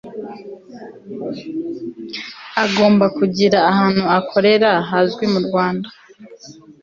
agomba kugira ahantu akorera hazwi mu rwanda